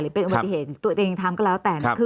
เป็นอุบัติเหตุตัวเองทำก็แล้วแต่